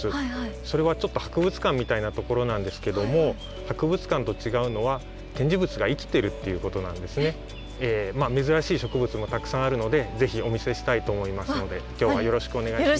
それはちょっと博物館みたいなところなんですけども珍しい植物もたくさんあるのでぜひお見せしたいと思いますので今日はよろしくお願いします。